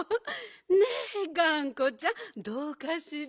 ねえがんこちゃんどうかしら？